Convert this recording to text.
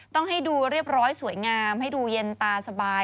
ต้องให้ดูเรียบร้อยสวยงามให้ดูเย็นตาสบาย